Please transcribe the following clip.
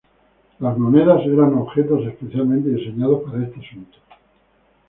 Las monedas eran objetos especialmente diseñados para este asunto.